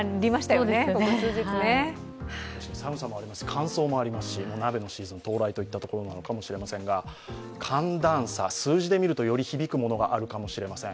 寒さもありますし、乾燥もありますし、鍋のシーズン到来といったところなのかもしれませんが、寒暖差、数字で見るとより響くものがあるかもしれません。